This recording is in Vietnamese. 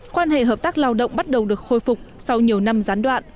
quan hệ hợp tác lao động bắt đầu được khôi phục sau nhiều năm gián đoạn